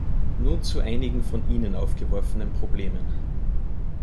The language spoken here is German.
Nun zu einigen von Ihnen aufgeworfenen Problemen.